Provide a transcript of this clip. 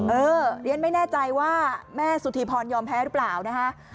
เออเรียนไม่แน่ใจว่าแม่สุธีพรยอมแพ้หรือเปล่านะคะ